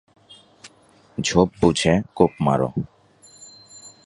ঝোপ বুঝে কোপ মার।